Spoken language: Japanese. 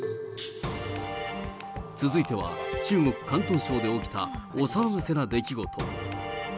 続いては、中国・広東省で起きたお騒がせな出来事。